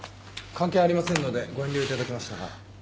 関係ありませんのでご遠慮いただきましたが。